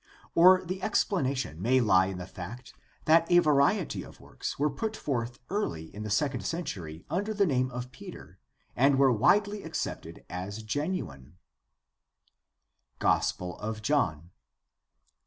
Or the explanation may lie in the fact that a variety of works were put forth early in the second century under the name of Peter and were widely accepted as genuine. The Gospel of John.